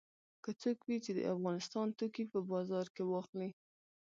که څوک وي چې د افغانستان توکي په بازار کې واخلي.